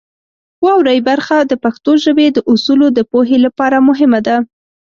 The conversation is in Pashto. واورئ برخه د پښتو ژبې د اصولو د پوهې لپاره مهمه ده.